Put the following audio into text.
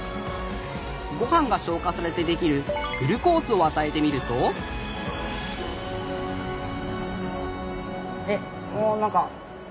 ごはんが消化されて出来るグルコースを与えてみるとえっあ何か。